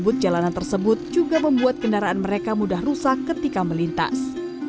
menyebut jalanan tersebut juga membuat kendaraan mereka mudah rusak ketika melintas